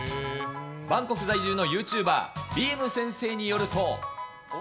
バンコク在住のユーチューバー、びーむ先生によると。